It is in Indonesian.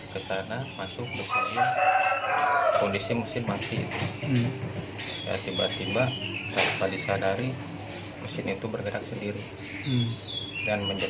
dan menceritakan kisah pilu yang dialaminya